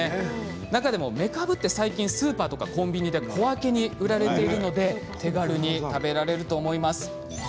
なかでもめかぶって最近スーパーとかコンビニで小分けに売られているので手軽に食べられると思います。